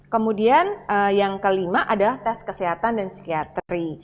kemudian yang kelima adalah tes kesehatan dan psikiatri